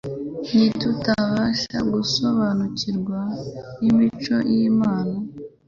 Ntitubasha gusobanukirwa n’imico y’Imana,